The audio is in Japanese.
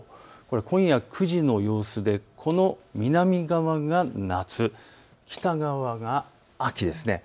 今夜９時の様子で南側が夏、北側が秋です。